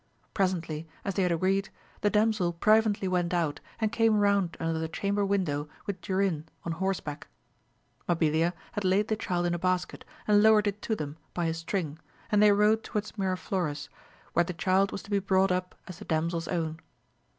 Presently, as they had agreed, the damsel privately went out and came round under the chamber window with Durin on horseback. Mabilia had laid the child in a basket, and lowered it to them by a string, and they rode towards Miraflores, where the child was to be brought up as the damseFs own.